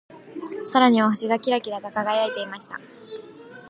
空には星がキラキラと輝いていました。